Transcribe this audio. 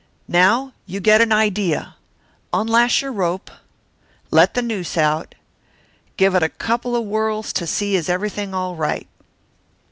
Now you get an idea. Unlash your rope, let the noose out, give it a couple of whirls to see is everything all right.